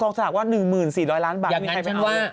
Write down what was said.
กองสถาปว่า๑หมื่น๔๐๐ล้านบาทมีใครไปเอา